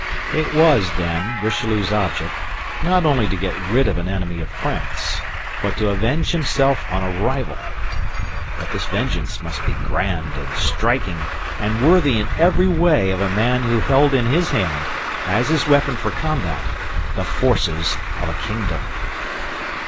It was, then, Richelieu's object, not only to get rid of an enemy of France, but to avenge himself on a rival; but this vengeance must be grand and striking and worthy in every way of a man who held in his hand, as his weapon for combat, the forces of a kingdom.